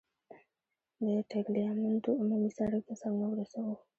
د ټګلیامنتو عمومي سړک ته ځانونه ورسوو.